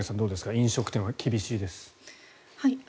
飲食店は厳しいです。